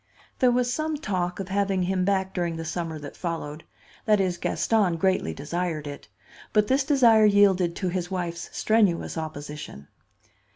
There was some talk of having him back during the summer that followed. That is, Gaston greatly desired it; but this desire yielded to his wife's strenuous opposition.